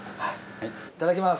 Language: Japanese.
いただきます。